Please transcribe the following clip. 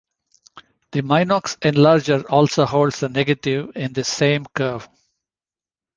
The Minox enlarger also holds the negative in this same curve.